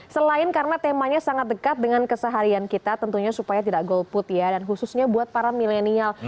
selain karena temanya sangat dekat dengan keseharian kita tentunya supaya tidak golput ya dan khususnya buat para milenial